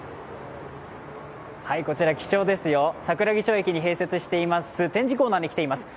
こちら貴重ですよ、桜木町駅に併設されています展示コーナーに来ています。